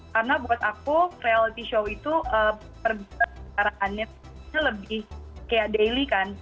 karena buat aku reality show itu perbicaraannya lebih kayak daily kan